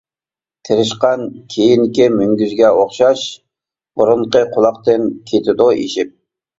تىرىشقان كېيىنكى مۈڭگۈزگە ئوخشاش، بۇرۇنقى قۇلاقتىن كېتىدۇ ئېشىپ.